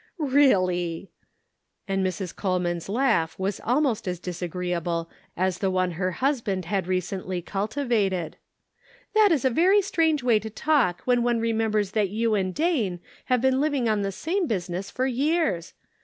" Really, " and Mrs. Coleman's laugh was almost as disagreeable as the one her husband had recently cultivated ;" that is a very strange way to talk when one remembers that you and Dane have been living on the same business for years.